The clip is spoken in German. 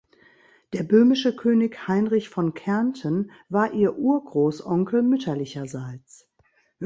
Der böhmische König Heinrich von Kärnten war ihr Urgroßonkel mütterlicherseits.